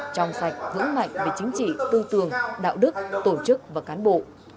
trong sạch vững mạnh về chính trị tư tưởng đạo đức tổ chức và cán bộ